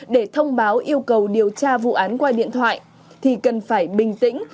để thông báo yêu cầu điều tra vụ án qua điện thoại thì cần phải bình tĩnh